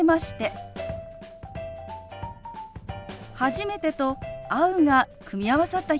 「初めて」と「会う」が組み合わさった表現です。